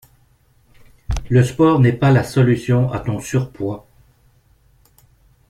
Le sport n'est pas la solution à ton surpoids.